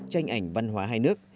tranh ảnh văn hóa hai nước